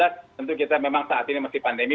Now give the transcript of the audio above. tentu kita memang saat ini masih pandemi